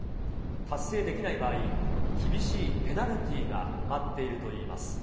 達成できない場合、厳しいペナルティーが待っているといいます。